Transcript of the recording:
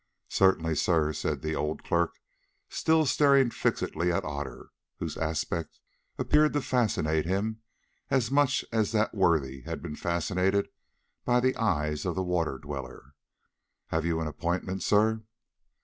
"Certainly, sir," said the old clerk, still staring fixedly at Otter, whose aspect appeared to fascinate him as much as that worthy had been fascinated by the eyes of the Water Dweller. "Have you an appointment, sir?"